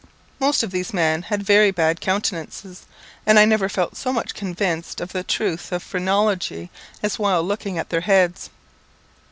Most of these men had very bad countenances, and I never felt so much convinced of the truth of phrenology as while looking at their heads.